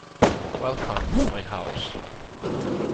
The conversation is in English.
Welcome to my house.